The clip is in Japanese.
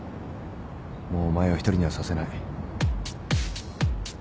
もうお前を一人にはさせない。